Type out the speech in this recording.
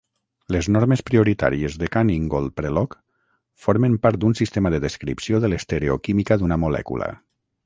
Les normes prioritàries de Cahn-Ingold-Prelog formen part d'un sistema de descripció de l'estereoquímica d'una molècula.